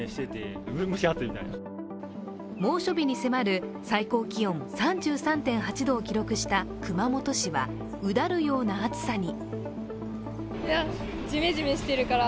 猛暑日に迫る最高気温３３．８度を記録した熊本市は、うだるような暑さに。